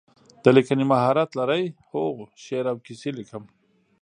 د لیکنې مهارت لرئ؟ هو، شعر او کیسې لیکم